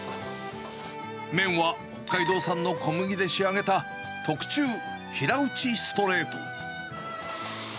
麺は北海道産の小麦で仕上げた特注、平打ちストレート。